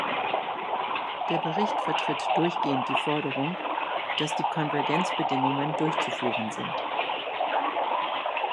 Der Bericht vertritt durchgehend die Forderung, dass die Konvergenzbedingungen durchzuführen sind.